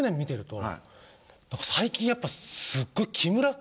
最近やっぱすっごい。